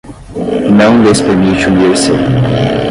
não lhes permite unir-se